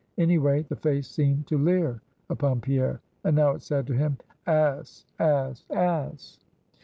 Any way, the face seemed to leer upon Pierre. And now it said to him _Ass! ass! ass!